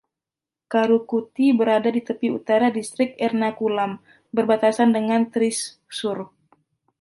Karukutty berada di tepi utara distrik Ernakulam, berbatasan dengan Thrissur.